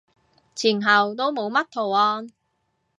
前後都冇乜圖案